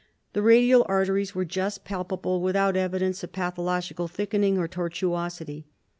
The radial arteries were just palpable, without evidence of pathological thickening or tortuosity.